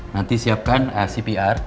nanti siapkan cpr